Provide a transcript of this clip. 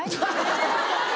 ハハハハ！